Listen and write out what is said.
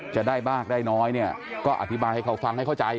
จะได้มากได้น้อยเนี่ยก็อธิบายให้เขาฟังให้เข้าใจ